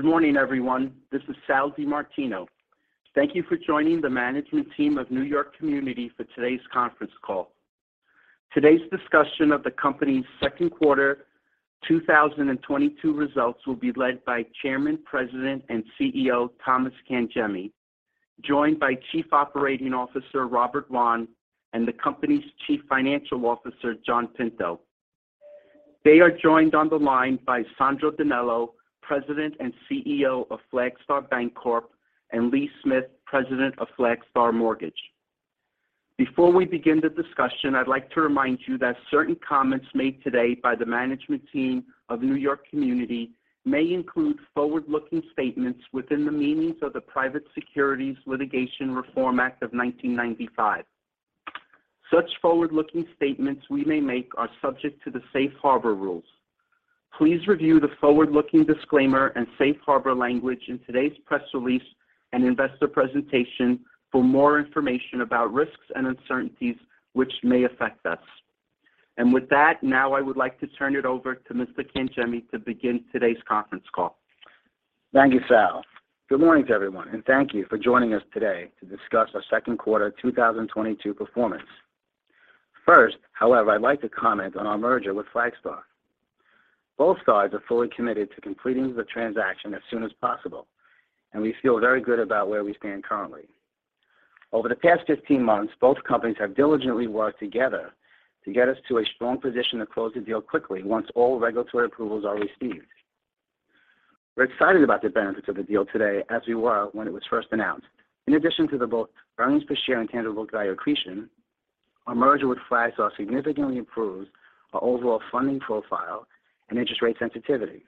Good morning, everyone. This is Sal DiMartino. Thank you for joining the management team of New York Community for today's conference call. Today's discussion of the company's second quarter 2022 results will be led by Chairman, President, and CEO, Thomas Cangemi, joined by Chief Operating Officer, Robert Wann, and the company's Chief Financial Officer, John Pinto. They are joined on the line by Alessandro DiNello, President and CEO of Flagstar Bancorp, and Lee Smith, President of Flagstar Mortgage. Before we begin the discussion, I'd like to remind you that certain comments made today by the management team of New York Community may include forward-looking statements within the meanings of the Private Securities Litigation Reform Act of 1995. Such forward-looking statements we may make are subject to the safe harbor rules. Please review the forward-looking disclaimer and safe harbor language in today's press release and investor presentation for more information about risks and uncertainties which may affect us. With that, now I would like to turn it over to Mr. Cangemi to begin today's conference call. Thank you, Sal. Good morning to everyone, and thank you for joining us today to discuss our second quarter 2022 performance. First, however, I'd like to comment on our merger with Flagstar. Both sides are fully committed to completing the transaction as soon as possible, and we feel very good about where we stand currently. Over the past 15 months, both companies have diligently worked together to get us to a strong position to close the deal quickly once all regulatory approvals are received. We're excited about the benefits of the deal today as we were when it was first announced. In addition to the both earnings per share and tangible accretion, our merger with Flagstar significantly improves our overall funding profile and interest rate sensitivity.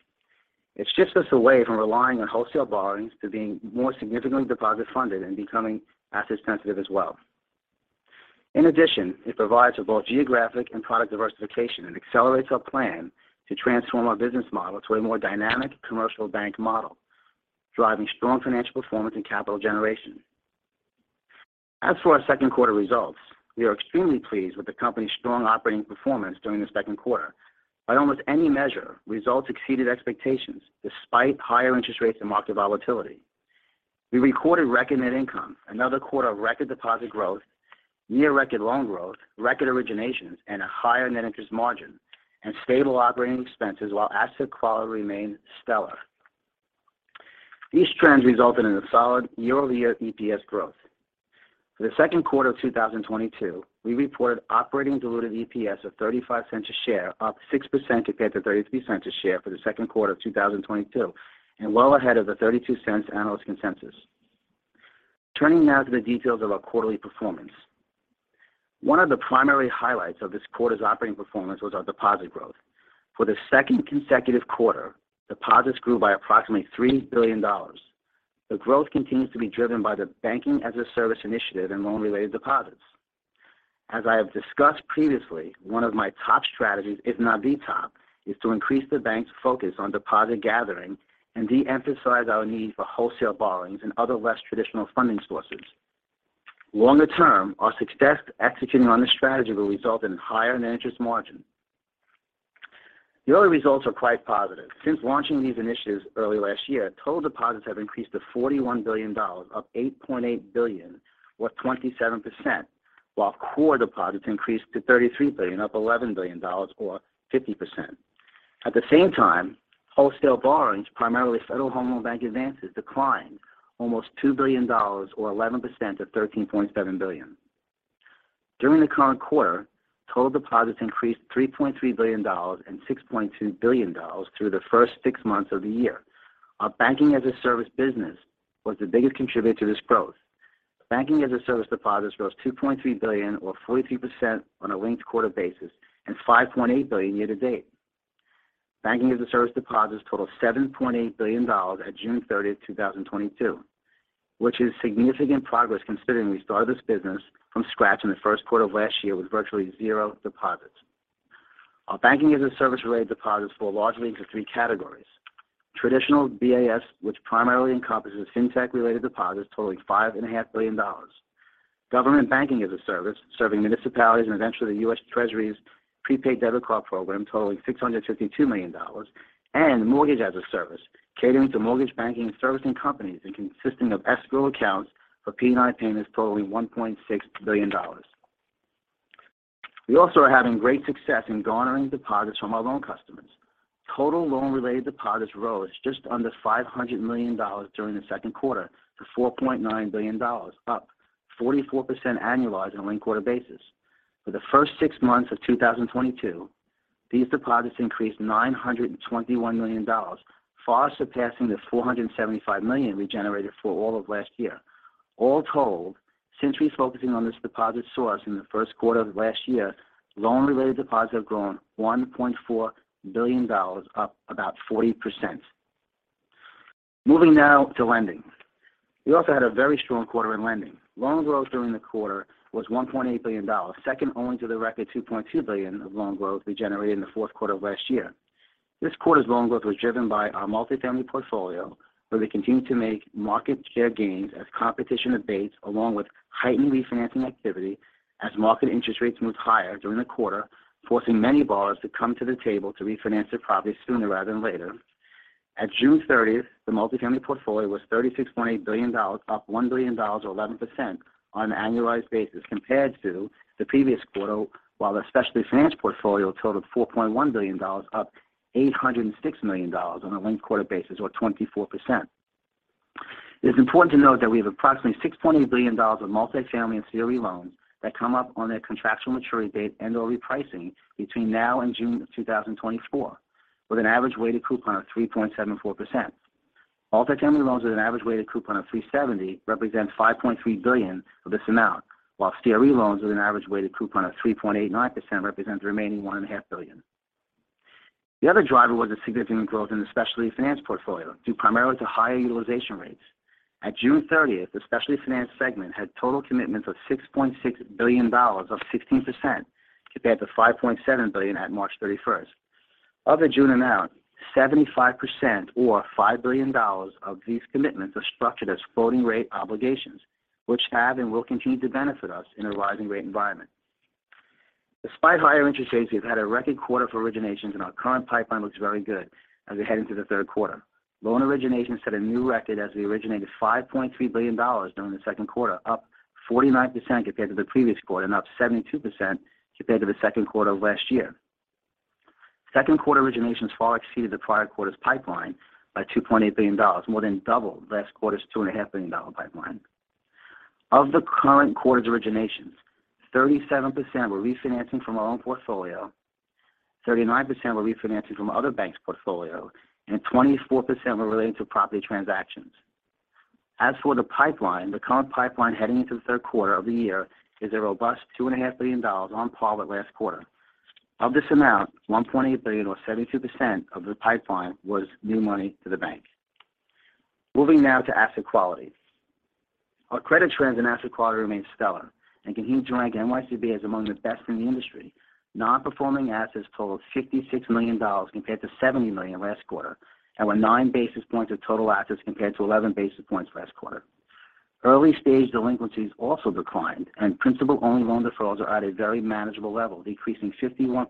It shifts us away from relying on wholesale borrowings to being more significantly deposit-funded and becoming asset sensitive as well. In addition, it provides for both geographic and product diversification and accelerates our plan to transform our business model to a more dynamic commercial bank model, driving strong financial performance and capital generation. As for our second quarter results, we are extremely pleased with the company's strong operating performance during the second quarter. By almost any measure, results exceeded expectations despite higher interest rates and market volatility. We recorded record net income, another quarter of record deposit growth, near-record loan growth, record originations, and a higher net interest margin and stable operating expenses while asset quality remained stellar. These trends resulted in a solid year-over-year EPS growth. For the second quarter of 2022, we reported operating diluted EPS of $0.35 per share, up 6% compared to $0.33 per share for the second quarter of 2022, and well ahead of the $0.32 analyst consensus. Turning now to the details of our quarterly performance. One of the primary highlights of this quarter's operating performance was our deposit growth. For the second consecutive quarter, deposits grew by approximately $3 billion. The growth continues to be driven by the banking-as-a-service initiative and loan-related deposits. As I have discussed previously, one of my top strategies, if not the top, is to increase the bank's focus on deposit gathering and de-emphasize our need for wholesale borrowings and other less traditional funding sources. Longer term, our success executing on this strategy will result in higher net interest margin. The other results are quite positive. Since launching these initiatives early last year, total deposits have increased to $41 billion, up $8.8 billion or 27%, while core deposits increased to $33 billion, up $11 billion or 50%. At the same time, wholesale borrowings, primarily Federal Home Loan Bank advances, declined almost $2 billion or 11% to $13.7 billion. During the current quarter, total deposits increased $3.3 billion and $6.2 billion through the first six months of the year. Our Banking-as-a-service business was the biggest contributor to this growth. Banking-as-a-service deposits rose $2.3 billion or 43% on a linked-quarter basis, and $5.8 billion year-to-date. Banking-as-a-service deposits totaled $7.8 billion at June 30, 2022, which is significant progress considering we started this business from scratch in the first quarter of last year with virtually zero deposits. Our banking-as-a-service-related deposits fall largely into three categories. Traditional BaaS primarily encompasses fintech-related deposits totaling $5.5 billion. Government banking-as-a-service serves municipalities and eventually the U.S. Treasury's prepaid debit card program, totaling $652 million. Mortgage-as-a-service caters to mortgage banking and servicing companies and consists of escrow accounts for P&I payments, totaling $1.6 billion. We also are having great success in garnering deposits from our loan customers. Total loan-related deposits rose just under $500 million during the second quarter to $4.9 billion, up 44% annualized on a linked-quarter basis. For the first six months of 2022, these deposits increased $921 million, far surpassing the $475 million we generated for all of last year. All told, since refocusing on this deposit source in the first quarter of last year, loan-related deposits have grown $1.4 billion, up about 40%. Moving now to lending. We also had a very strong quarter in lending. Loan growth during the quarter was $1.8 billion, second only to the record $2.2 billion of loan growth we generated in the fourth quarter of last year. This quarter's loan growth was driven by our multifamily portfolio, where we continue to make market share gains as competition abates along with heightened refinancing activity as market interest rates moved higher during the quarter, forcing many borrowers to come to the table to refinance their properties sooner rather than later. At June 30, 2022 the multifamily portfolio was $36.8 billion, up $1 billion or 11% on an annualized basis compared to the previous quarter, while the specialty finance portfolio totaled $4.1 billion, up $806 million on a linked-quarter basis, or 24%. It is important to note that we have approximately $6.8 billion of multifamily and CRE loans that come up on their contractual maturity date and/or repricing between now and June of 2024, with an average weighted coupon of 3.74%. Multifamily loans with an average weighted coupon of 3.70% represent $5.3 billion of this amount, while CRE loans with an average weighted coupon of 3.89% represent the remaining $1.5 billion. The other driver was a significant growth in the specialty finance portfolio, due primarily to higher utilization rates. At June 30th, 2022 the specialty finance segment had total commitments of $6.6 billion, up 16% compared to $5.7 billion at March 31st, 2022. Of the June amount, 75% or $5 billion of these commitments are structured as floating rate obligations, which have and will continue to benefit us in a rising rate environment. Despite higher interest rates, we've had a record quarter for originations, and our current pipeline looks very good as we head into the third quarter. Loan originations set a new record as we originated $5.3 billion during the second quarter, up 49% compared to the previous quarter and up 72% compared to the second quarter of last year. Second quarter originations far exceeded the prior quarter's pipeline by $2.8 billion, more than double last quarter's $2.5 billion pipeline. Of the current quarter's originations, 37% were refinancing from our own portfolio, 39% were refinancing from other banks' portfolio, and 24% were related to property transactions. As for the pipeline, the current pipeline heading into the third quarter of the year is a robust $2.5 billion on par with last quarter. Of this amount, $1.8 billion or 72% of the pipeline was new money to the bank. Moving now to asset quality. Our credit trends and asset quality remain stellar and continue to rank NYCB as among the best in the industry. Non-performing assets totaled $56 million compared to $70 million last quarter and were 9 basis points of total assets compared to 11 basis points last quarter. Early-stage delinquencies also declined, and principal-only loan defaults are at a very manageable level, decreasing 51%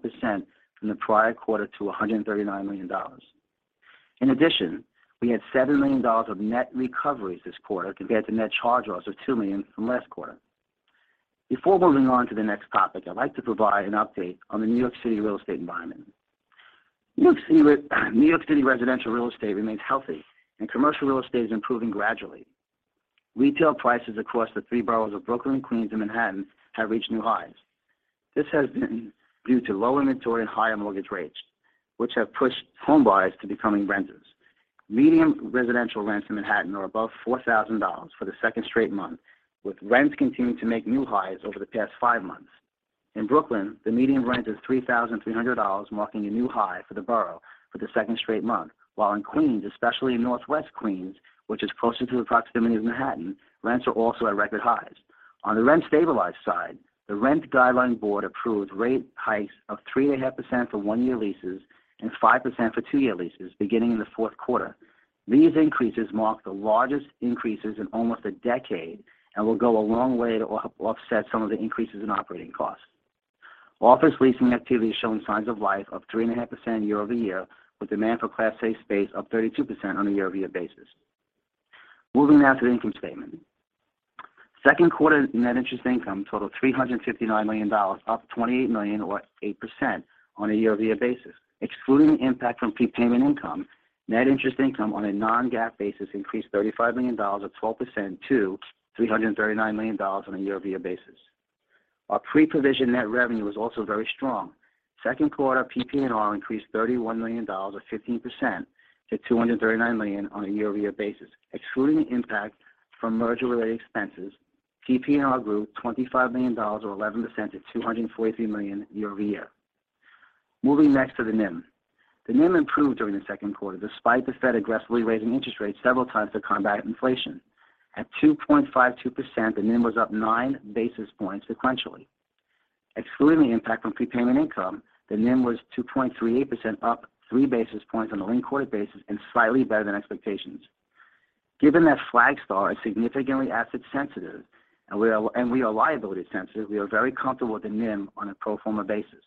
from the prior quarter to $139 million. In addition, we had $7 million of net recoveries this quarter compared to net charge-offs of $2 million from last quarter. Before moving on to the next topic, I'd like to provide an update on the New York City real estate environment. New York City residential real estate remains healthy, and commercial real estate is improving gradually. Retail prices across the three boroughs of Brooklyn, Queens, and Manhattan have reached new highs. This has been due to low inventory and higher mortgage rates, which have pushed home buyers to becoming renters. Median residential rents in Manhattan are above $4,000 for the second straight month, with rents continuing to make new highs over the past five months. In Brooklyn, the median rent is $3,300, marking a new high for the borough for the second straight month. While in Queens, especially in Northwest Queens, which is closer to the proximity of Manhattan, rents are also at record highs. On the rent-stabilized side, the Rent Guidelines Board approved rate hikes of 3.5% for one-year leases and 5% for two-year leases beginning in the fourth quarter. These increases mark the largest increases in almost a decade and will go a long way to offset some of the increases in operating costs. Office leasing activity is showing signs of life, up 3.5% year-over-year, with demand for Class A space up 32% on a year-over-year basis. Moving now to the income statement. Second quarter net interest income totaled $359 million, up $28 million or 8% on a year-over-year basis. Excluding the impact from prepayment income, net interest income on a non-GAAP basis increased $35 million or 12% to $339 million on a year-over-year basis. Our pre-provision net revenue was also very strong. Second quarter PPNR increased $31 million or 15% to $239 million on a year-over-year basis. Excluding the impact from merger-related expenses, PPNR grew $25 million or 11% to $243 million year-over-year. Moving next to the NIM. The NIM improved during the second quarter despite the Fed aggressively raising interest rates several times to combat inflation. At 2.52%, the NIM was up 9 basis points sequentially. Excluding the impact from prepayment income, the NIM was 2.38% up 3 basis points on a linked quarter basis and slightly better than expectations. Given that Flagstar is significantly asset sensitive and we are liability sensitive, we are very comfortable with the NIM on a pro forma basis.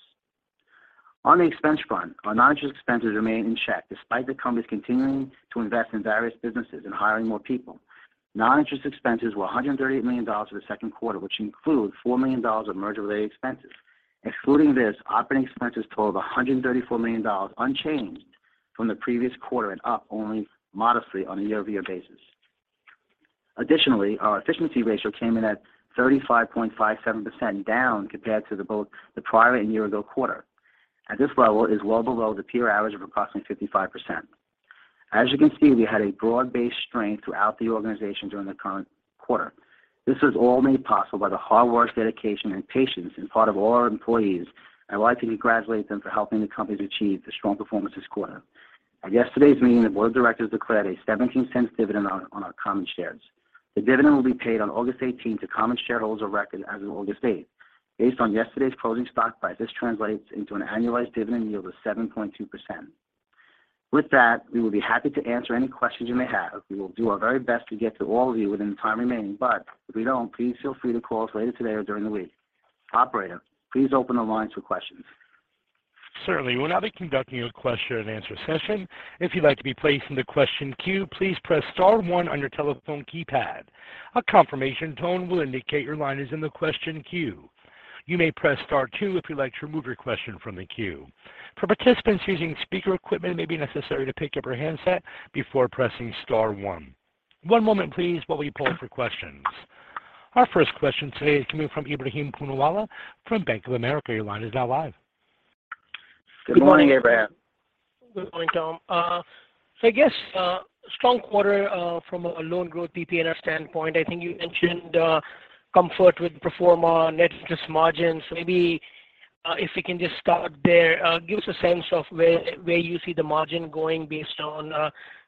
On the expense front, our non-interest expenses remain in check despite the company's continuing to invest in various businesses and hiring more people. Non-interest expenses were $138 million for the second quarter, which include $4 million of merger-related expenses. Excluding this, operating expenses totaled $134 million, unchanged from the previous quarter and up only modestly on a year-over-year basis. Additionally, our efficiency ratio came in at 35.57% down compared to both the prior and year-ago quarter. At this level is well below the peer average of approximately 55%. As you can see, we had a broad-based strength throughout the organization during the current quarter. This was all made possible by the hard work, dedication, and patience on the part of all our employees. I would like to congratulate them for helping the company to achieve the strong performance this quarter. At yesterday's meeting, the board of directors declared a $0.17 dividend on our common shares. The dividend will be paid on August 18th,2022 to common shareholders of record as of August 8th, 2022. Based on yesterday's closing stock price, this translates into an annualized dividend yield of 7.2%. With that, we will be happy to answer any questions you may have. We will do our very best to get to all of you within the time remaining, but if we don't, please feel free to call us later today or during the week. Operator, please open the lines for questions. Certainly. We'll now be conducting a question and answer session. If you'd like to be placed in the question queue, please press star one on your telephone keypad. A confirmation tone will indicate your line is in the question queue. You may press star two if you'd like to remove your question from the queue. For participants using speaker equipment, it may be necessary to pick up your handset before pressing star one. One moment please while we poll for questions. Our first question today is coming from Ebrahim Poonawala from Bank of America. Your line is now live. Good morning, Ebrahim. Good morning, Tom. I guess strong quarter from a loan growth PPNR standpoint. I think you mentioned comfort with performance on net interest margins. Maybe if we can just start there. Give us a sense of where you see the margin going based on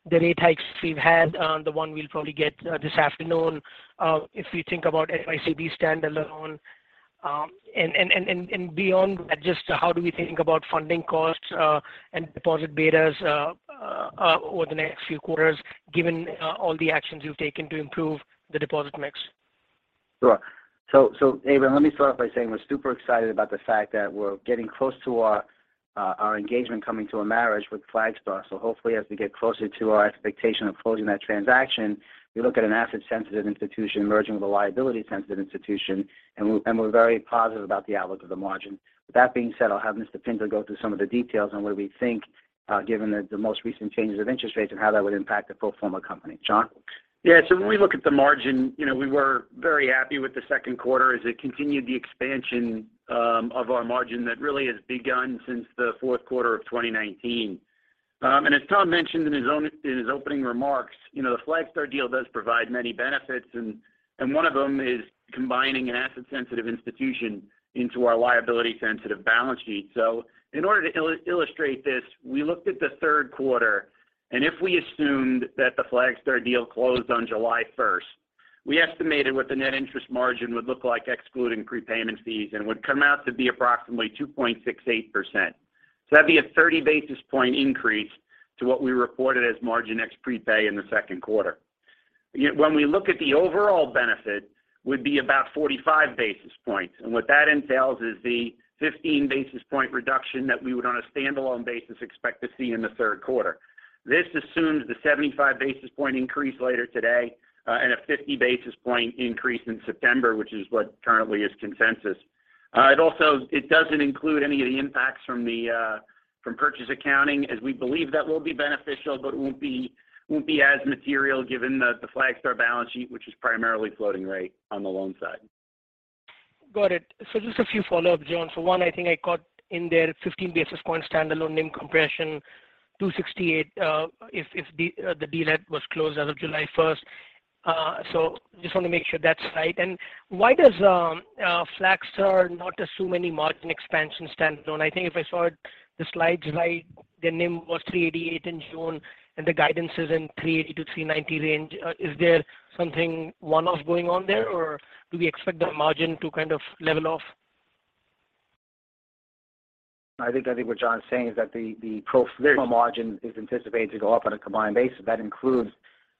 the rate hikes we've had, the one we'll probably get this afternoon. If you think about NYCB standalone, and beyond that, just how do we think about funding costs and deposit betas over the next few quarters, given all the actions you've taken to improve the deposit mix? Sure. Abraham, let me start off by saying we're super excited about the fact that we're getting close to our engagement coming to a marriage with Flagstar. Hopefully, as we get closer to our expectation of closing that transaction, we look at an asset-sensitive institution merging with a liability-sensitive institution, and we're very positive about the outlook of the margin. With that being said, I'll have Mr. Pinto go through some of the details on where we think, given the most recent changes in interest rates and how that would impact the pro forma company. John? Yeah. When we look at the margin, you know, we were very happy with the second quarter as it continued the expansion of our margin that really has begun since the fourth quarter of 2019. As Tom mentioned in his opening remarks, you know, the Flagstar deal does provide many benefits, and one of them is combining an asset-sensitive institution into our liability-sensitive balance sheet. In order to illustrate this, we looked at the third quarter, and if we assumed that the Flagstar deal closed on July 1st, 2022, we estimated what the net interest margin would look like excluding prepayment fees, and it would come out to be approximately 2.68%. That'd be a 30 basis point increase to what we reported as margin ex-prepay in the second quarter. Yet when we look at the overall benefit would be about 45 basis points. What that entails is the 15 basis point reduction that we would on a standalone basis expect to see in the third quarter. This assumes the 75 basis point increase later today, and a 50 basis point increase in September, which is what currently is consensus. It also doesn't include any of the impacts from the, from purchase accounting, as we believe that will be beneficial but won't be as material given the Flagstar balance sheet, which is primarily floating rate on the loan side. Got it. Just a few follow-up, John. One, I think I caught in there 15 basis points standalone NIM compression, 2.68%, if the deal was closed as of July 1st, 2022. Just want to make sure that's right. Why does Flagstar not assume any margin expansion standalone? I think if I saw the slides right, the NIM was 3.88% in June, and the guidance is in 3.80%-3.90% range. Is there something one-off going on there, or do we expect the margin to kind of level off? I think that what John is saying is that the pro forma margin is anticipated to go up on a combined basis. That includes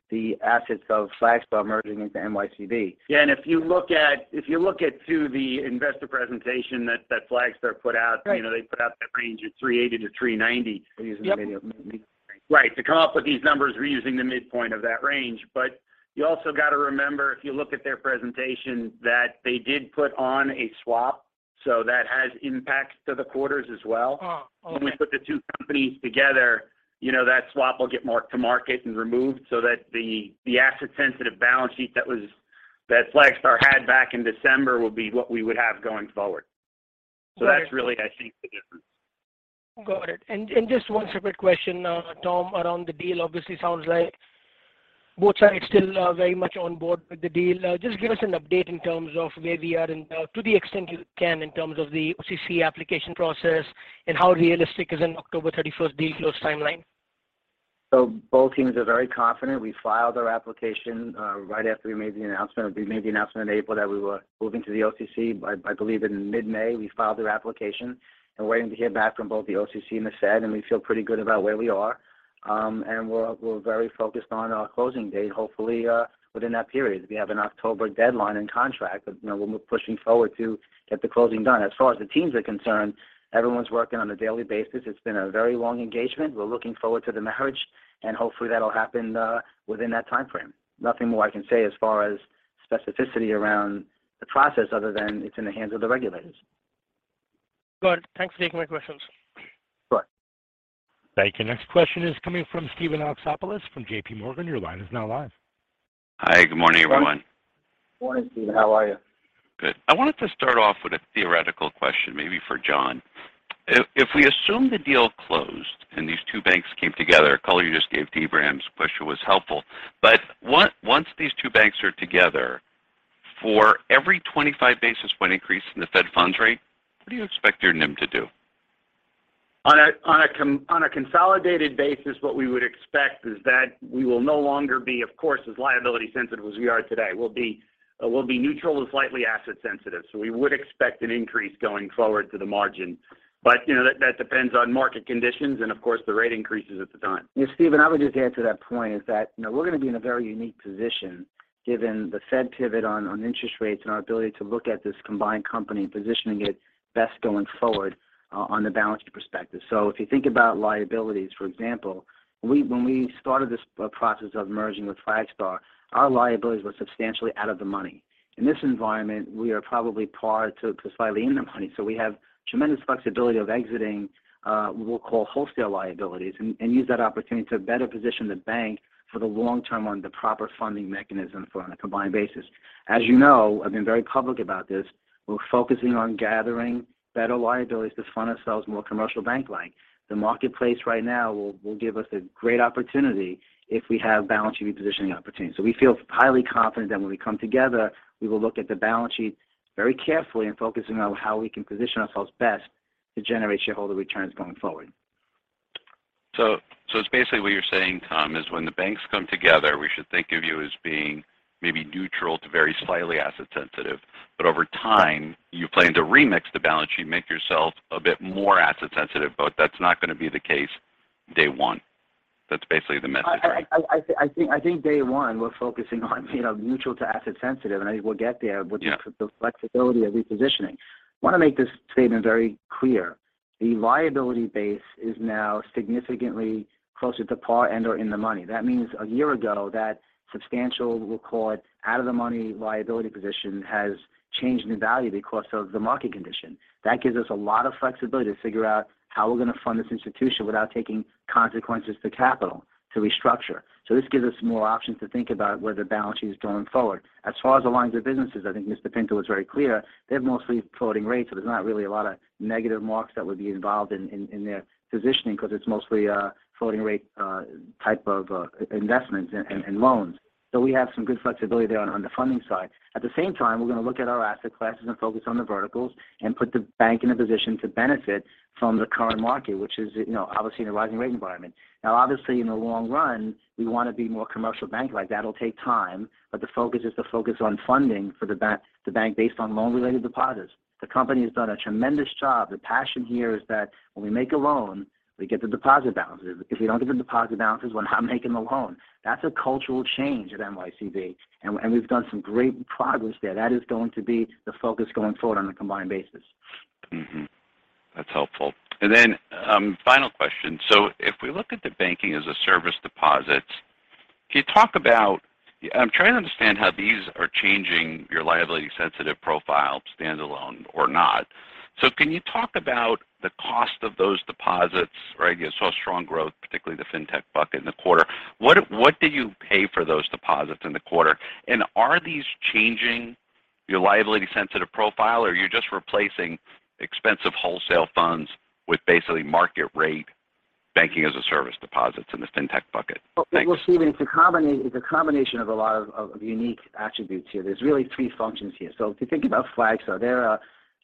the assets of Flagstar merging into NYCB. Yeah. If you look at, too, the investor presentation that Flagstar put out. Right. You know, they put out that range of 3.80%-3.90%. We're using the medium range. Right. To come up with these numbers, we're using the midpoint of that range. You also got to remember, if you look at their presentation, that they did put on a swap. That has impacts to the quarters as well. Oh, okay. When we put the two companies together, you know, that swap will get marked to market and removed so that the asset-sensitive balance sheet that Flagstar had back in December will be what we would have going forward. Got it. That's really, I think, the difference. Got it. Just one separate question, Tom, around the deal. Obviously sounds like both sides still very much on board with the deal. Just give us an update in terms of where we are and to the extent you can in terms of the OCC application process and how realistic is an October 31st, 2022 deal close timeline? Both teams are very confident. We filed our application right after we made the announcement. We made the announcement in April that we were moving to the OCC. I believe in mid-May, we filed our application and waiting to hear back from both the OCC and the Fed, and we feel pretty good about where we are. We're very focused on our closing date, hopefully within that period. We have an October deadline in contract. You know, when we're pushing forward to get the closing done. As far as the teams are concerned, everyone's working on a daily basis. It's been a very long engagement. We're looking forward to the marriage, and hopefully, that'll happen within that timeframe. Nothing more I can say as far as specificity around the process other than it's in the hands of the regulators. Got it. Thanks for taking my questions. Sure. Thank you. Next question is coming from Steven Alexopoulos from JPMorgan Chase & Co. Your line is now live. Hi, good morning, everyone. Morning, Steven. How are you? Good. I wanted to start off with a theoretical question, maybe for John. If we assume the deal closed and these two banks came together, a color you just gave to Ebrahim's question was helpful. But once these two banks are together, for every 25 basis point increase in the Fed funds rate, what do you expect your NIM to do? On a consolidated basis, what we would expect is that we will no longer be, of course, as liability sensitive as we are today. We'll be neutral to slightly asset sensitive. We would expect an increase going forward to the margin. You know, that depends on market conditions and of course, the rate increases at the time. Yeah, Steven, I would just add to that point, that you know, we're going to be in a very unique position. Given the Fed pivot on interest rates and our ability to look at this combined company and positioning it best going forward on the balance sheet perspective. If you think about liabilities, for example, we, when we started this process of merging with Flagstar, our liabilities were substantially out of the money. In this environment, we are probably par to slightly in the money. We have tremendous flexibility of exiting what we'll call wholesale liabilities and use that opportunity to better position the bank for the long term on the proper funding mechanism for on a combined basis. As you know, I've been very public about this, we're focusing on gathering better liabilities to fund ourselves more commercial bank-like. The marketplace right now will give us a great opportunity if we have balance sheet repositioning opportunities. We feel highly confident that when we come together, we will look at the balance sheet very carefully and focus in on how we can position ourselves best to generate shareholder returns going forward. It's basically what you're saying, Tom, is when the banks come together, we should think of you as being maybe neutral to very slightly asset sensitive. Over time, you plan to remix the balance sheet, make yourself a bit more asset sensitive, but that's not going to be the case day one. That's basically the message, right? I think day one, we're focusing on, you know, neutral to asset sensitive, and I think we'll get there with just the flexibility of repositioning. I want to make this statement very clear. The liability base is now significantly closer to par and/or in the money. That means a year ago, that substantial, we'll call it, out of the money liability position has changed in value because of the market condition. That gives us a lot of flexibility to figure out how we're going to fund this institution without taking consequences to capital to restructure. This gives us more options to think about where the balance sheet is going forward. As far as the lines of businesses, I think Mr. Pinto was very clear. They have mostly floating rates, so there's not really a lot of negative marks that would be involved in their positioning because it's mostly floating rate type of investments and loans. We have some good flexibility there on the funding side. At the same time, we're going to look at our asset classes and focus on the verticals and put the bank in a position to benefit from the current market, which is, you know, obviously in a rising rate environment. Now, obviously, in the long run, we want to be more commercial bank-like. That'll take time, but the focus is to focus on funding for the bank based on loan-related deposits. The company has done a tremendous job. The passion here is that when we make a loan, we get the deposit balances. If we don't get the deposit balances, we're not making the loan. That's a cultural change at NYCB, and we've done some great progress there. That is going to be the focus going forward on a combined basis. That's helpful. Final question. If we look at the banking-as-a-service deposits, can you talk about. I'm trying to understand how these are changing your liability sensitive profile, standalone or not. Can you talk about the cost of those deposits, right? You saw strong growth, particularly the fintech bucket in the quarter. What do you pay for those deposits in the quarter? Are these changing your liability sensitive profile, or you're just replacing expensive wholesale funds with basically market rate banking-as-a-service deposits in the fintech bucket? Thanks. Well, Steven, it's a combination of a lot of unique attributes here. There's really three functions here. If you think about Flagstar,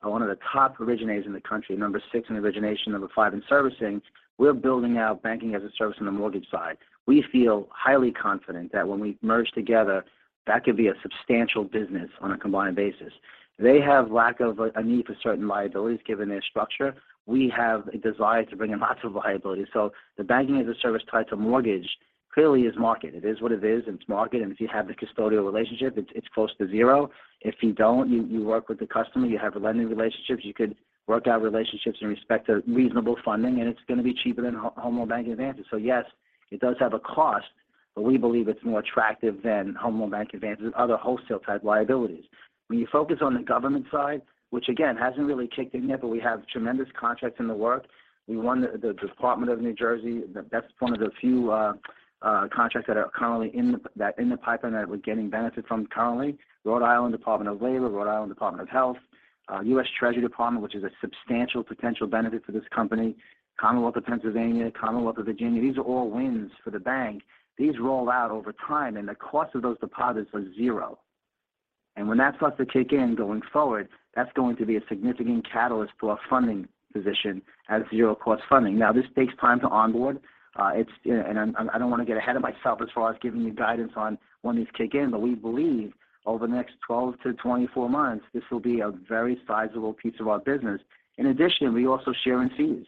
they're one of the top originators in the country, number sixin origination, number five in servicing. We're building out banking-as-a-service on the mortgage side. We feel highly confident that when we merge together, that could be a substantial business on a combined basis. They have lack of a need for certain liabilities given their structure. We have a desire to bring in lots of liabilities. The banking-as-a-service tied to mortgage clearly is market. It is what it is, and it's market. If you have the custodial relationship, it's close to zero. If you don't, you work with the customer, you have lending relationships. You could work out relationships in respect to reasonable funding, and it's going to be cheaper than Federal Home Loan Bank advances. Yes, it does have a cost, but we believe it's more attractive than Federal Home Loan Bank advances and other wholesale type liabilities. When you focus on the government side, which again, hasn't really kicked in yet, but we have tremendous contracts in the works. We won the State of New Jersey. That's one of the few contracts that are currently in the pipeline that we're getting benefit from currently. Rhode Island Department of Labor and Training, Rhode Island Department of Health, U.S. Department of the Treasury, which is a substantial potential benefit for this company. Commonwealth of Pennsylvania, Commonwealth of Virginia. These are all wins for the bank. These roll out over time, and the cost of those deposits are zero. When that starts to kick in going forward, that's going to be a significant catalyst to our funding position at zero cost funding. Now, this takes time to onboard. I don't want to get ahead of myself as far as giving you guidance on when these kick in, but we believe over the next 12-24 months, this will be a very sizable piece of our business. In addition, we also share in fees.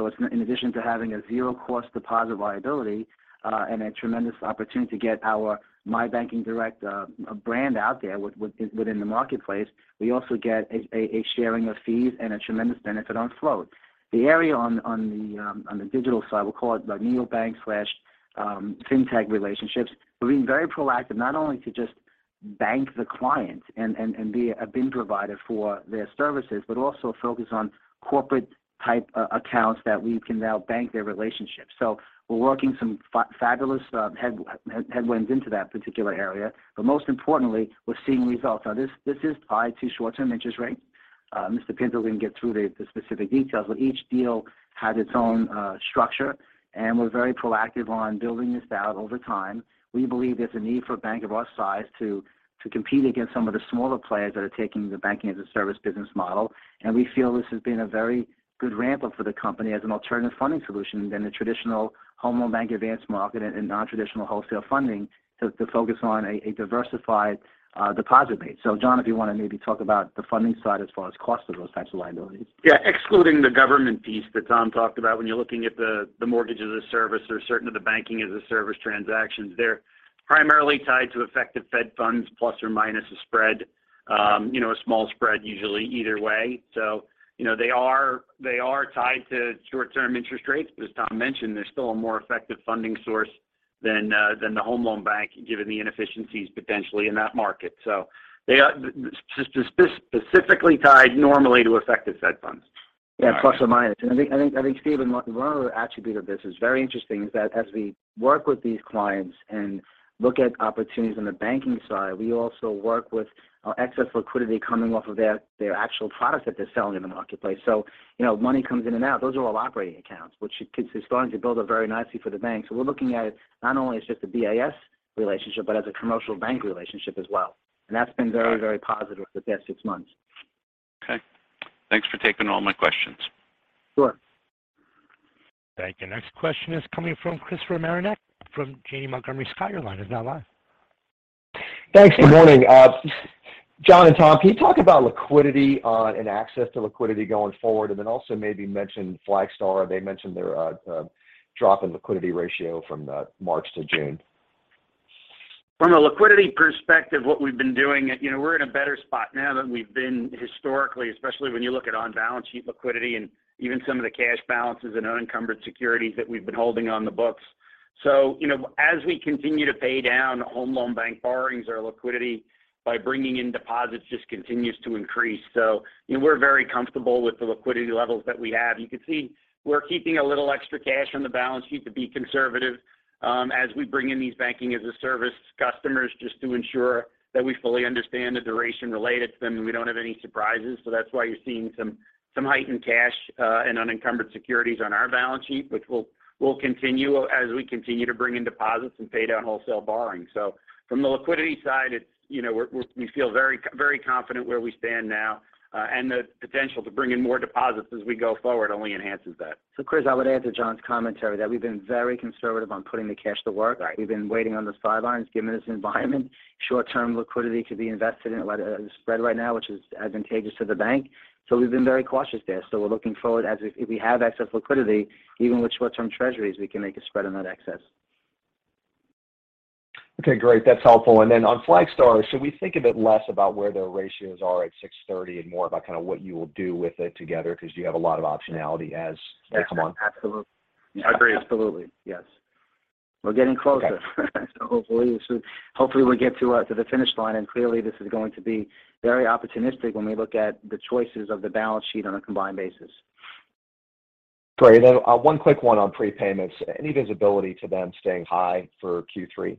It's in addition to having a zero cost deposit liability, and a tremendous opportunity to get our My Banking Direct brand out there within the marketplace. We also get a sharing of fees and a tremendous benefit on float. The area on the digital side, we'll call it the neobank, fintech relationships. We're being very proactive not only to just bank the client and be a BaaS provider for their services, but also focus on corporate-type accounts that we can now bank their relationships. We're working some fabulous tailwinds into that particular area. Most importantly, we're seeing results. This is tied to short-term interest rates. Mr. Pinto is going to get through the specific details, but each deal has its own structure, and we're very proactive on building this out over time. We believe there's a need for a bank of our size to compete against some of the smaller players that are taking the banking-as-a-service business model. We feel this has been a very good ramp-up for the company as an alternative funding solution to the traditional Federal Home Loan Bank advance market and non-traditional wholesale funding to focus on a diversified deposit base. John, if you want to maybe talk about the funding side as far as cost of those types of liabilities. Yeah. Excluding the government piece that Tom talked about, when you're looking at the mortgage-as-a-service or certain of the banking-as-a-service transactions, they're primarily tied to effective Fed funds plus or minus a spread. You know, a small spread usually either way. You know, they are tied to short-term interest rates, but as Tom mentioned, they're still a more effective funding source than the Federal Home Loan Bank, given the inefficiencies potentially in that market. They are specifically tied normally to effective Fed funds. Yeah. Plus or minus. I think, Steve, one other attribute of this that's very interesting is that as we work with these clients and look at opportunities on the banking side, we also work with excess liquidity coming off of their actual product that they're selling in the marketplace. So, money comes in and out. Those are all operating accounts, which is starting to build up very nicely for the bank. So we're looking at it not only as just a BaaS relationship, but as a commercial bank relationship as well. That's been very, very positive the past six months. Okay. Thanks for taking all my questions. Sure. Thank you. Next question is coming from Christopher Marinac from Janney Montgomery Scott. Your line is now live. Thanks. Good morning. John and Tom, can you talk about liquidity and access to liquidity going forward? Then also maybe mention Flagstar. They mentioned their drop in liquidity ratio from March to June. From a liquidity perspective, what we've been doing, we're in a better spot now than we've been historically, especially when you look at on-balance sheet liquidity and even some of the cash balances and unencumbered securities that we've been holding on the books. As we continue to pay down home loan bank borrowings, our liquidity by bringing in deposits just continues to increase. We're very comfortable with the liquidity levels that we have. You can see we're keeping a little extra cash on the balance sheet to be conservative, as we bring in these banking-as-a-service customers just to ensure that we fully understand the duration related to them, and we don't have any surprises. That's why you're seeing some heightened cash and unencumbered securities on our balance sheet, which we'll continue as we continue to bring in deposits and pay down wholesale borrowing. From the liquidity side, we feel very confident where we stand now, and the potential to bring in more deposits as we go forward only enhances that. Chris, I would add to John's commentary that we've been very conservative on putting the cash to work. We've been waiting on the sidelines, given this environment. Short-term liquidity could be invested in a spread right now, which is advantageous to the bank. We've been very cautious there. We're looking forward as if we have excess liquidity, even with short-term Treasuries, we can make a spread on that excess. Okay, great. That's helpful. On Flagstar, should we think a bit less about where their ratios are at 6.30 and more about kind of what you will do with it together because you have a lot of optionality as they come on? Absolutely. I agree. Absolutely. Yes. We're getting closer. Hopefully soon. Hopefully, we'll get to the finish line. Clearly, this is going to be very opportunistic when we look at the choices of the balance sheet on a combined basis. Great. One quick one on prepayments. Any visibility to them staying high for Q3?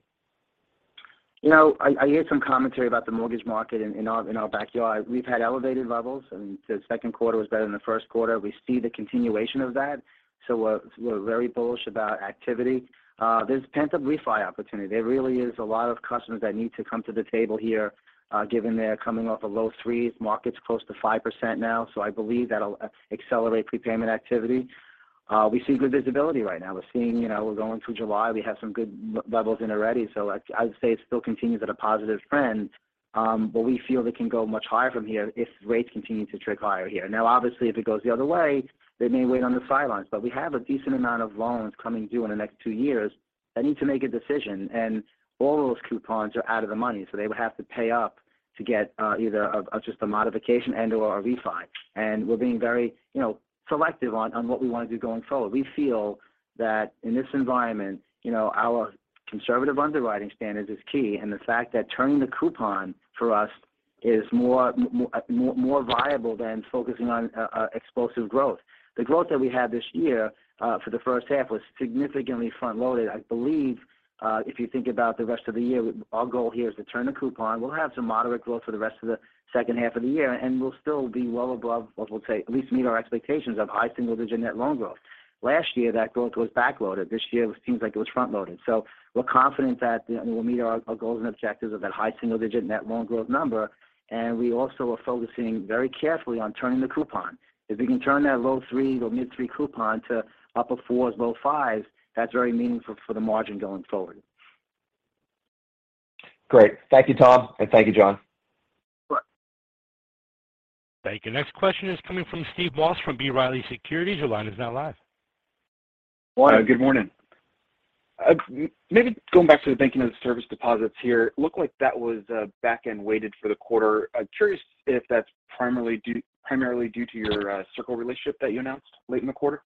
I hear some commentary about the mortgage market in our backyard. We've had elevated levels, and the second quarter was better than the first quarter. We see the continuation of that. We're very bullish about activity. There's pent-up refi opportunity. There really is a lot of customers that need to come to the table here, given they're coming off of low threes. Market's close to 5% now. I believe that'll accelerate prepayment activity. We see good visibility right now. We're seeing, we're going through July. We have some good loan levels in already. I'd say it still continues at a positive trend, but we feel they can go much higher from here if rates continue to trade higher here. Now obviously if it goes the other way, they may wait on the sidelines. We have a decent amount of loans coming due in the next two years that need to make a decision, and all of those coupons are out of the money, so they would have to pay up to get either just a modification and/or a refi. We're being very selective on what we want to do going forward. We feel that in this environment, you know, our conservative underwriting standards is key, and the fact that turning the coupon for us is more viable than focusing on explosive growth. The growth that we had this year for the first half was significantly front-loaded. I believe, if you think about the rest of the year, our goal here is to turn the coupon. We'll have some moderate growth for the rest of the second half of the year, and we'll still be well above what we'll say at least meet our expectations of high single-digit net loan growth. Last year, that growth was back-loaded. This year it seems like it was front-loaded. We're confident that we'll meet our goals and objectives of that high single-digit net loan growth number. We also are focusing very carefully on turning the coupon. If we can turn that low 3s or mid-3 coupon to upper 4s, low 5s, that's very meaningful for the margin going forward. Great. Thank you, Tom, and thank you, John. Sure. Thank you. Next question is coming from Steve Moss from B. Riley Securities. Your line is now live. Morning. Good morning. Maybe going back to the banking-as-a-service deposits here, looked like that was back-end weighted for the quarter. I'm curious if that's primarily due to your Circle relationship that you announced late in the quarter.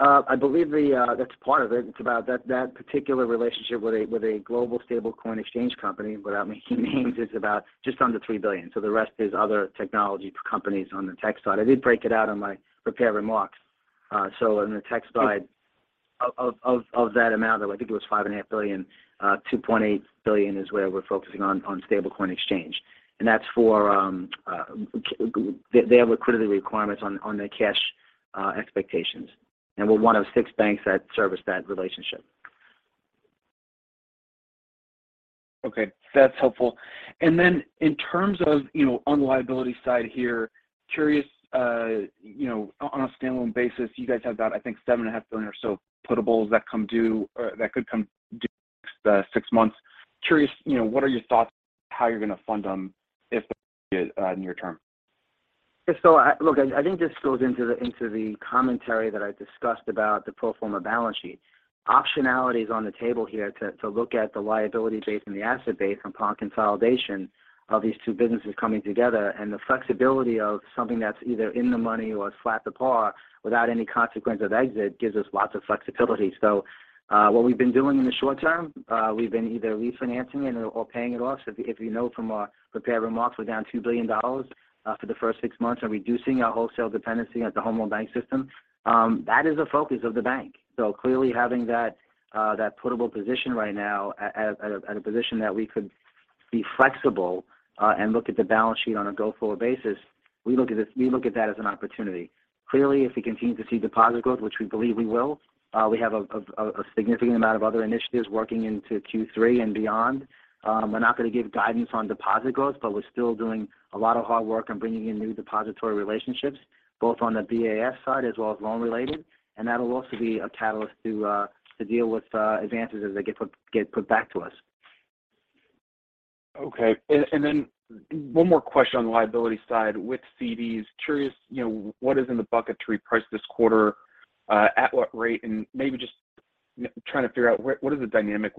I believe that's part of it. It's about that particular relationship with a global stablecoin exchange company, without naming names, is about just under $3 billion. The rest is other technology companies on the tech side. I did break it out on my prepared remarks. On the tech side of that amount, I think it was $5.5 billion, $2.8 billion is where we're focusing on stablecoin exchange. That's for they have liquidity requirements on their cash equivalents. We're one of six banks that service that relationship. Okay. That's helpful. Then in terms of, you know, on the liability side here, curious, you know, on a standalone basis, you guys have about, I think, $7.5 billion or so putables that come due or that could come due in the next six months. Curious, you know, what are your thoughts on how you're going to fund them if they near term? If so, look, I think this goes into the commentary that I discussed about the pro forma balance sheet. Optionality is on the table here to look at the liability base and the asset base upon consolidation of these two businesses coming together, and the flexibility of something that's either in the money or split apart without any consequence of exit gives us lots of flexibility. What we've been doing in the short term, we've been either refinancing it or paying it off. If you know from our prepared remarks, we're down $2 billion for the first six months and reducing our wholesale dependency at the Federal Home Loan Bank System, that is a focus of the bank. Clearly having that putable position right now at a position that we could be flexible and look at the balance sheet on a go-forward basis, we look at that as an opportunity. Clearly, if we continue to see deposit growth, which we believe we will, we have a significant amount of other initiatives working into Q3 and beyond. We're not going to give guidance on deposit growth, but we're still doing a lot of hard work on bringing in new depository relationships, both on the BaaS side as well as loan related. That'll also be a catalyst to deal with advances as they get put back to us. Okay. One more question on the liability side with CDs. Curious, what is in the bucket to reprice this quarter, at what rate? Maybe just trying to figure out what is the dynamic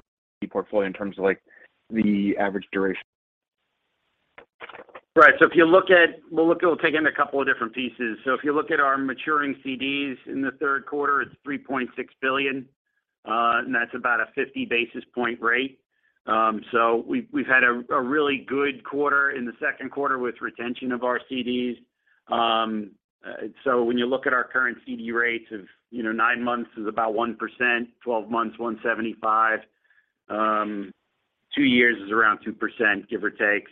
portfolio in terms of, like, the average duration? Right. If you look at our maturing CDs in the third quarter, it's $3.6 billion, and that's about a 50 basis point rate. We've had a really good quarter in the second quarter with retention of our CDs. When you look at our current CD rates, you know, nine months is about 1%, 12 months 1.75%, two years is around 2%, give or take.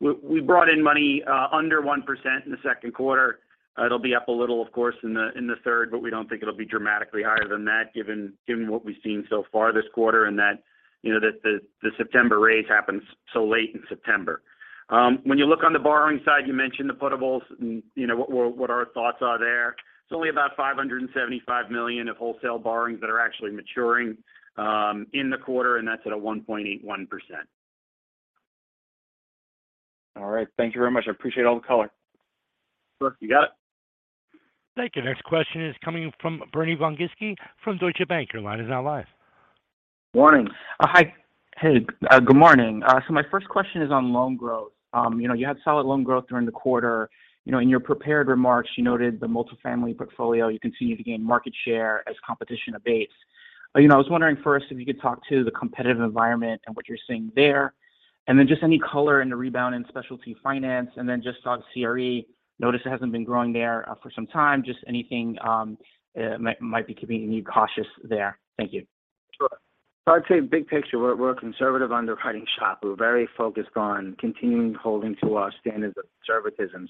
We brought in money under 1% in the second quarter. It'll be up a little, of course, in the third, but we don't think it'll be dramatically higher than that given what we've seen so far this quarter and that, you know, the September raise happens so late in September. When you look on the borrowing side, you mentioned the putables and, you know, what our thoughts are there. It's only about $575 million of wholesale borrowings that are actually maturing in the quarter, and that's at a 1.81%. All right. Thank you very much. I appreciate all the color. Sure. You got it. Thank you. Next question is coming from Brock Vandervliet from Deutsche Bank. Your line is now live. Morning. Hi. Hey, good morning. So my first question is on loan growth. You had solid loan growth during the quarter. You know, in your prepared remarks, you noted the multifamily portfolio, you continue to gain market share as competition abates. You know, I was wondering first if you could talk to the competitive environment and what you're seeing there. Then just any color in the rebound in specialty finance, and then just on CRE. Notice it hasn't been growing there for some time. Just anything might be keeping you cautious there. Thank you. Sure. I'd say big picture, we're a conservative underwriting shop. We're very focused on continuing holding to our standards of conservatism.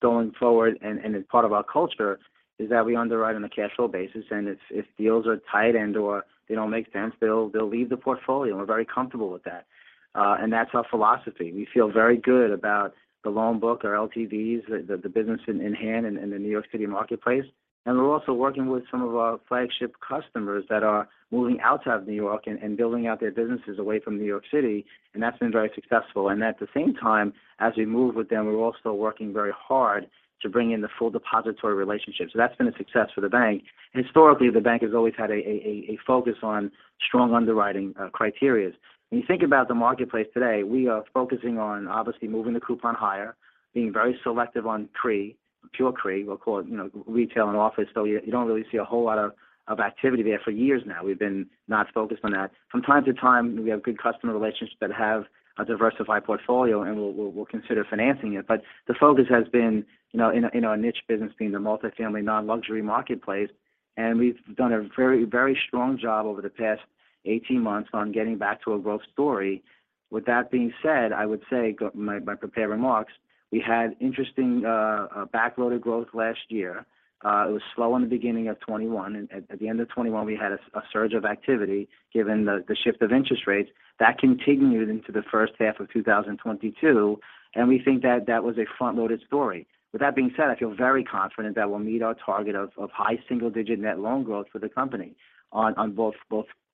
Going forward, it's part of our culture, is that we underwrite on a cash flow basis, and it's if deals are tight and/or they don't make sense, they'll leave the portfolio. We're very comfortable with that. That's our philosophy. We feel very good about the loan book, our LTVs, the business in hand in the New York City marketplace. We're also working with some of our Flagstar customers that are moving outside of New York and building out their businesses away from New York City, and that's been very successful. At the same time, as we move with them, we're also working very hard to bring in the full depository relationship. That's been a success for the bank. Historically, the bank has always had a focus on strong underwriting criteria. When you think about the marketplace today, we are focusing on obviously moving the coupon higher, being very selective on CRE, pure CRE, we'll call it, you know, retail and office. You don't really see a whole lot of activity there for years now. We've been not focused on that. From time to time, we have good customer relationships that have a diversified portfolio, and we'll consider financing it. The focus has been, you know, in a niche business being the multifamily non-luxury marketplace. We've done a very strong job over the past 18 months on getting back to a growth story. With that being said, I would say go. My prepared remarks, we had interesting backloaded growth last year. It was slow in the beginning of 2021. At the end of 2021, we had a surge of activity given the shift of interest rates. That continued into the first half of 2022, and we think that was a front-loaded story. With that being said, I feel very confident that we'll meet our target of high single digit net loan growth for the company on both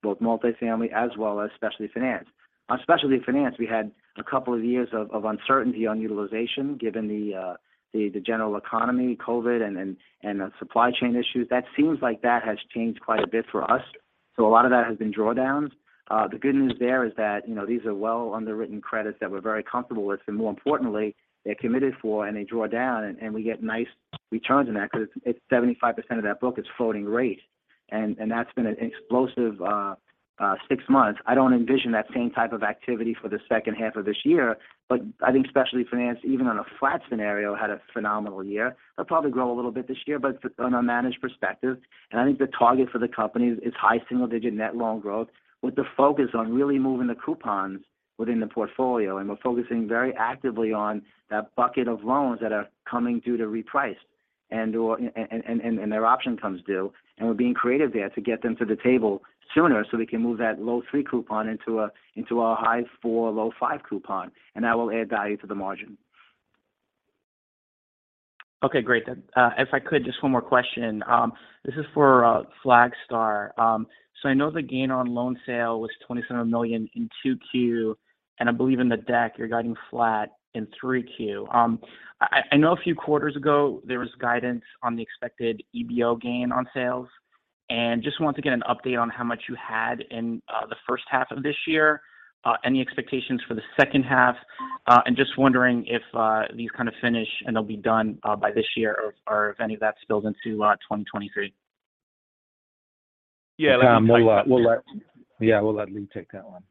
multifamily as well as specialty finance. On specialty finance, we had a couple of years of uncertainty on utilization given the general economy, COVID and the supply chain issues. That seems like that has changed quite a bit for us. A lot of that has been drawdowns. The good news there is that, you know, these are well underwritten credits that we're very comfortable with. More importantly, they're committed for and they draw down, and we get nice returns on that because it's 75% of that book is floating rate. That's been an explosive six months. I don't envision that same type of activity for the second half of this year. I think specialty finance, even on a flat scenario, had a phenomenal year. It'll probably grow a little bit this year, but on a managed perspective. I think the target for the company is high single-digit net loan growth with the focus on really moving the coupons within the portfolio. We're focusing very actively on that bucket of loans that are coming due to reprice and/or their option comes due. We're being creative there to get them to the table sooner so we can move that low 3% coupon into a high 4%, low 5% coupon, and that will add value to the margin. Okay, great. If I could, just one more question. This is for Flagstar. I know the gain on loan sale was $27 million in 2Q, and I believe in the deck you're guiding flat in 3Q. I know a few quarters ago there was guidance on the expected EBO gain on sales. Just want to get an update on how much you had in the first half of this year. Any expectations for the second half. Just wondering if these kind of finish and they'll be done by this year or if any of that spills into 2023. Yeah. Tom, yeah, we'll let Lee take that one.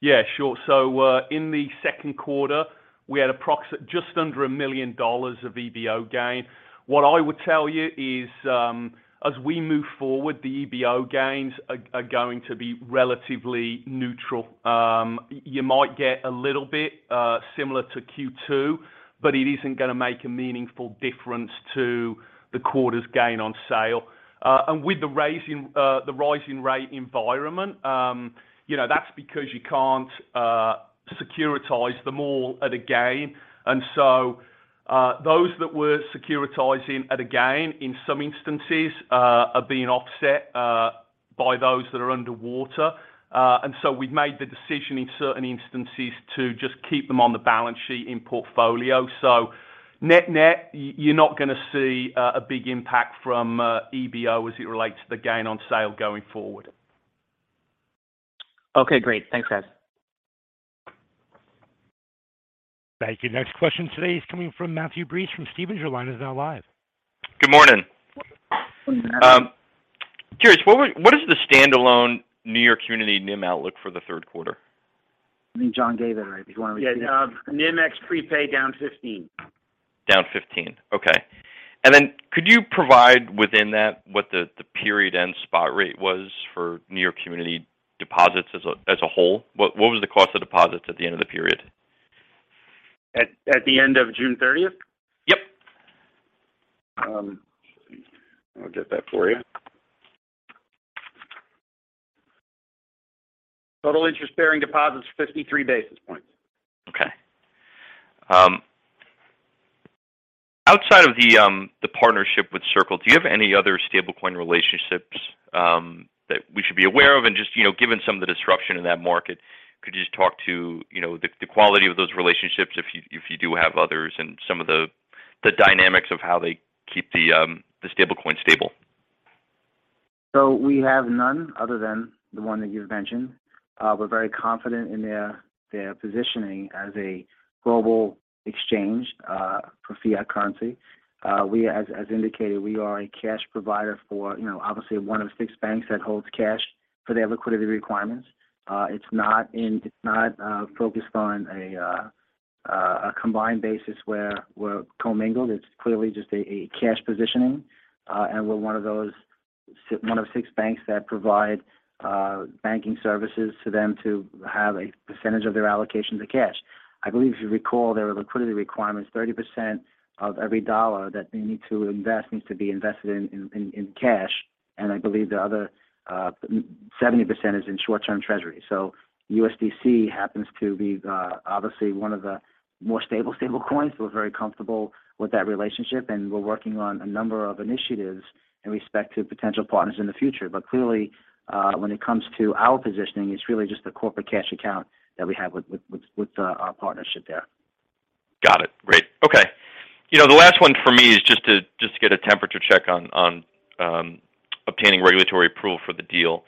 Yeah, sure. In the second quarter, we had just under $1 million of EBO gain. What I would tell you is, as we move forward, the EBO gains are going to be relatively neutral. You might get a little bit similar to Q2, but it isn't gonna make a meaningful difference to the quarter's gain on sale. With the rising rate environment, you know, that's because you can't securitize them all at a gain. Those that were securitizing at a gain in some instances are being offset by those that are underwater. We've made the decision in certain instances to just keep them on the balance sheet in portfolio. Net-net, you're not gonna see a big impact from EBO as it relates to the gain on sale going forward. Okay, great. Thanks, guys. Thank you. Next question today is coming from Matthew Breese from Stephens. Your line is now live. Good morning. Curious, what is the standalone New York Community NIM outlook for the third quarter? I think John gave that already. Do you want me to? Yeah. NIM ex prepaid down 15 basis points. Down 15 basis points. Okay. Could you provide within that what the period end spot rate was for New York Community deposits as a whole? What was the cost of deposits at the end of the period? At the end of June 30th? Yep. I'll get that for you. Total interest-bearing deposits, 53 basis points. Okay. Outside of the partnership with Circle, do you have any other stablecoin relationships that we should be aware of? Just, you know, given some of the disruption in that market, could you just talk about, you know, the quality of those relationships if you do have others and some of the dynamics of how they keep the stablecoin stable? We have none other than the one that you've mentioned. We're very confident in their positioning as a global exchange for fiat currency. We, as indicated, are a cash provider for, you know, obviously one of six banks that holds cash for their liquidity requirements. It's not focused on a combined basis where we're commingled. It's clearly just a cash positioning. We're one of those six banks that provide banking services to them to have a percentage of their allocation to cash. I believe if you recall, their liquidity requirement is 30% of every dollar that they need to invest needs to be invested in cash. I believe the other 70% is in short-term treasury. USDC happens to be obviously one of the more stable coins. We're very comfortable with that relationship, and we're working on a number of initiatives in respect to potential partners in the future. Clearly, when it comes to our positioning, it's really just the corporate cash account that we have with our partnership there. Got it. Great. Okay. You know, the last one for me is just to get a temperature check on obtaining regulatory approval for the deal.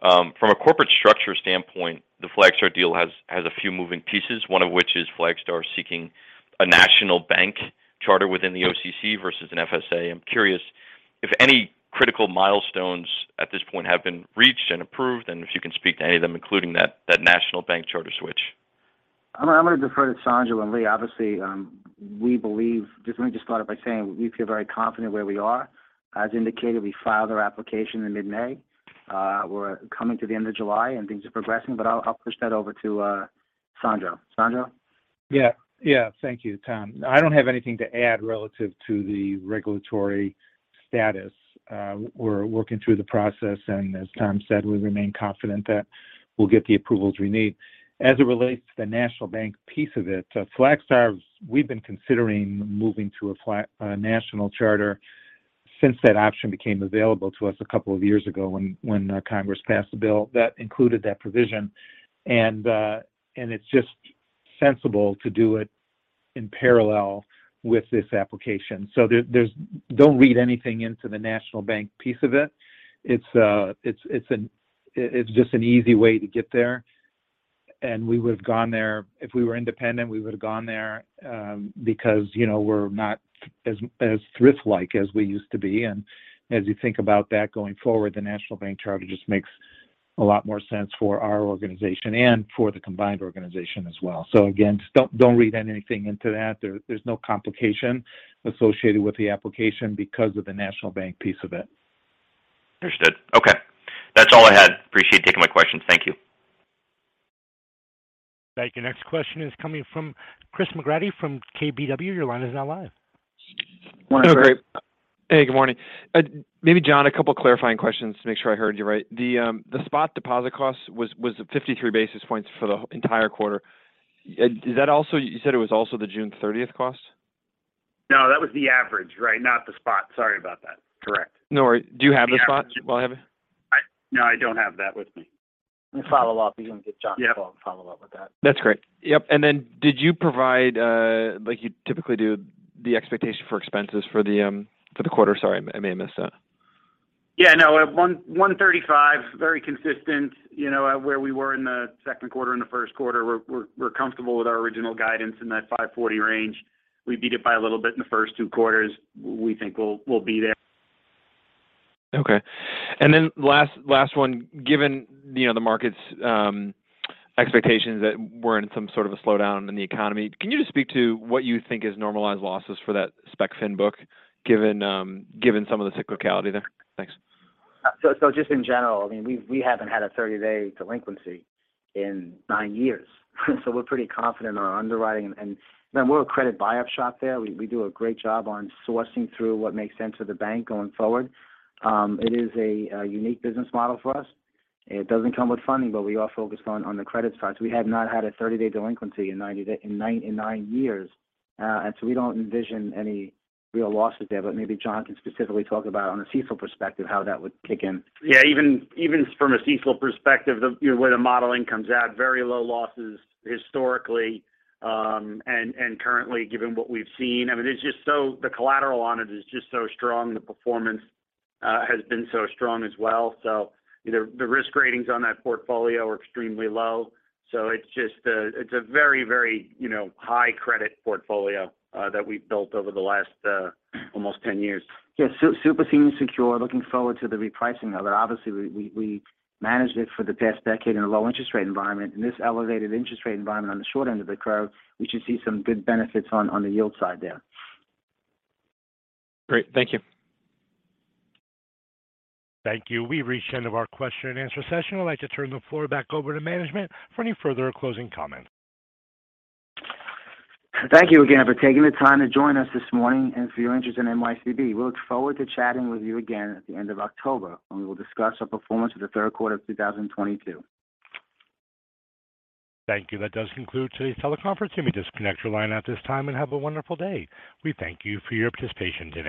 From a corporate structure standpoint, the Flagstar deal has a few moving pieces, one of which is Flagstar seeking a national bank charter within the OCC versus an FSA. I'm curious if any critical milestones at this point have been reached and approved, and if you can speak to any of them, including that national bank charter switch. I'm going to defer to Alessandro and Lee. Obviously, just let me just start off by saying we feel very confident where we are. As indicated, we filed our application in mid-May. We're coming to the end of July and things are progressing, but I'll push that over to Alessandro. Alessandro? Yeah. Thank you, Tom. I don't have anything to add relative to the regulatory status. We're working through the process and as Tom said, we remain confident that we'll get the approvals we need. As it relates to the national bank piece of it, Flagstar, we've been considering moving to a national charter since that option became available to us a couple of years ago when Congress passed a bill that included that provision. It's just sensible to do it in parallel with this application. So, don't read anything into the national bank piece of it. It's just an easy way to get there. We would've gone there if we were independent, we would've gone there, because, you know, we're not as thrift-like as we used to be. As you think about that going forward, the national bank charter just makes a lot more sense for our organization and for the combined organization as well. Again, just don't read anything into that. There's no complication associated with the application because of the national bank piece of it. Understood. Okay. That's all I had. Appreciate you taking my questions. Thank you. Thank you. Next question is coming from Christopher McGratty from KBW. Your line is now live. Oh, great. Hey, good morning. Maybe John, a couple clarifying questions to make sure I heard you right. The spot deposit cost was 53 basis points for the entire quarter. Is that also. You said it was also the June 30th cost? No, that was the average, right? Not the spot. Sorry about that. Correct. No worry. Do you have the spot while I have it? No, I don't have that with me. We'll follow up. You can get John to follow up with that. That's great. Yep. Did you provide, like you typically do, the expectation for expenses for the quarter? Sorry, I may have missed that. Yeah. No, 1.35%, very consistent, you know, where we were in the second quarter and the first quarter. We're comfortable with our original guidance in that $540 million range. We beat it by a little bit in the first two quarters. We think we'll be there. Okay. Last one. Given, you know, the market's expectations that we're in some sort of a slowdown in the economy, can you just speak to what you think is normalized losses for that spec fin book, given some of the cyclicality there? Thanks. Just in general, I mean, we haven't had a 30-day delinquency in nine years, so we're pretty confident in our underwriting. Remember we're a credit buy-up shop there. We do a great job on sourcing through what makes sense for the bank going forward. It is a unique business model for us. It doesn't come with funding, but we are focused on the credit side. We have not had a 30-day delinquency in nine years. We don't envision any real losses there, but maybe John can specifically talk about on a CECL perspective, how that would kick in. Yeah. Even from a CECL perspective of, you know, where the modeling comes out, very low losses historically, and currently, given what we've seen. I mean, it's just so the collateral on it is just so strong. The performance has been so strong as well. You know, the risk ratings on that portfolio are extremely low. It's just a very high credit portfolio that we've built over the last almost 10 years. Yeah. Super senior secure. Looking forward to the repricing of it. Obviously, we managed it for the past decade in a low interest rate environment. In this elevated interest rate environment on the short end of the curve, we should see some good benefits on the yield side there. Great. Thank you. Thank you. We've reached the end of our question and answer session. I'd like to turn the floor back over to management for any further closing comments. Thank you again for taking the time to join us this morning and for your interest in NYCB. We look forward to chatting with you again at the end of October when we will discuss our performance for the third quarter of 2022. Thank you. That does conclude today's teleconference. You may disconnect your line at this time and have a wonderful day. We thank you for your participation today.